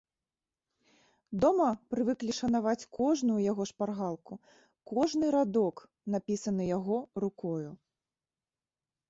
Дома прывыклі шанаваць кожную яго шпаргалку, кожны радок, напісаны яго рукою.